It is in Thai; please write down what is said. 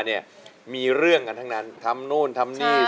จับมือประคองขอร้องอย่าได้เปลี่ยนไป